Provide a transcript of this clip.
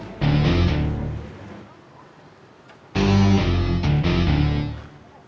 kenapa mereka gak datang